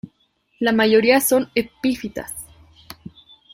La mayoría son epífitas.